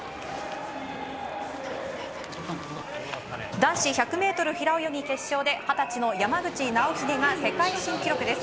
男子１００ｍ平泳ぎ決勝で二十歳の山口尚秀が世界新記録です。